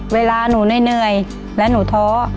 เวลาหนูเหนื่อยและหนูท้อ